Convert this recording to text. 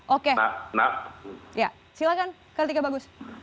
oke silahkan kartika bagus